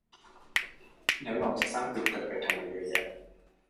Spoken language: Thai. แล้วเราจะสร้างตึกกันไปทำไมเยอะแยะ